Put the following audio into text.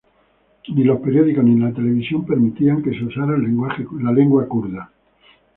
Ni los periódicos ni la televisión permitían que se usara el lenguaje kurdo.